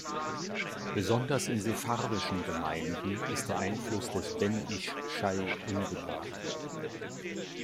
Besonders in sefardischen Gemeinden ist der Einfluss des Ben Isch Chai ungebrochen.